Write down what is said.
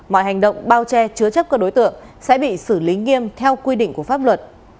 mọi hành động bao che chứa chấp các đối tượng sẽ bị xử lý nghiêm theo quy định của pháp luật